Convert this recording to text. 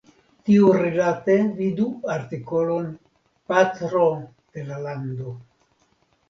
Tiurilate vidu artikolon Patro de la Lando.